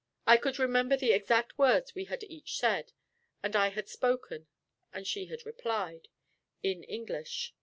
I could remember the exact words we had each said; and I had spoken, and she had replied, in English.